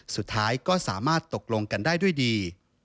สุดท้ายก็สามารถตกลงกันได้ด้วยดี